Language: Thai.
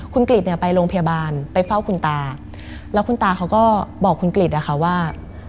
คุณกริจเนี่ยไปโรงพยาบาลไปเฝ้าคุณตาแล้วคุณตาเขาก็บอกคุณกริจนะคะว่า